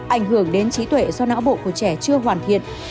ảnh hưởng đến trí tuệ do não bộ của trẻ chưa hoàn thiện